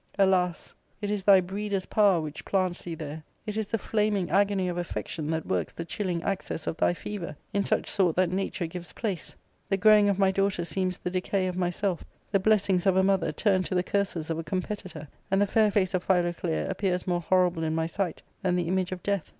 Alas ! it is thy breeder's power which plants thee there ; it is the flaming agony of affection that works the chilling access of thy fever, in such sort that nature gives place ; the growing of my daughter seems the decay of myself, the blessings of a mother turn to the curses of a competitor ; and the fair face of Philoclea appears more horrible in my sight than the image of death."